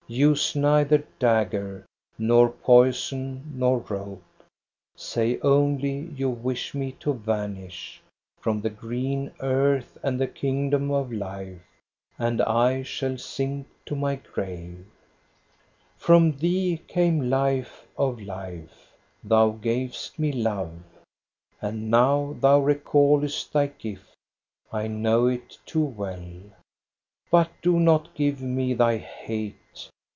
Use neither dagger nor poison nor rope ! Say only you wish me to vanish From the green earth and the kingdom of life, And I shall sink to my grave. THE AUCTION AT BJORNE 1 69 •• From thee came life of life ; thou gavest me love, And no\v thou recallest thy gift, I know it too well. But do not give me thy hate